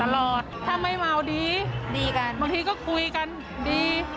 รอถ้าไม่เมาดีดีกันบางทีก็คุยกันดี